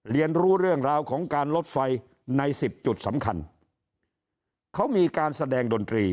เรียนรู้เรื่องราวของการลดไฟในสิบจุดสำคัญเขามีการแสดงดนตรี